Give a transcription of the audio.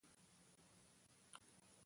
انعکاس هغه وخت کېږي چې رڼا یوې سطحې ته ورشي.